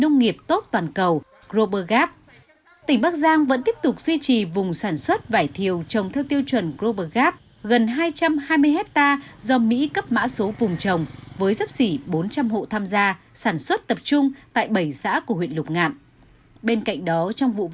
năm nay tỉnh bắc giang duy trì hơn hai mươi tám hectare vải thiều trong đó có gần hai mươi bốn hectare vải thiều theo tiêu chuẩn thực hành